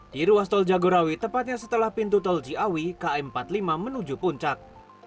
di ruas tol jagorawi tepatnya setelah pintu tol ciawi km empat puluh lima menuju puncak